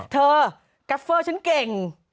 เธอกาเฟอร์ฉันเก่ง